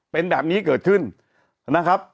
เป็นแบบนี้เกิดขึ้นนะครับ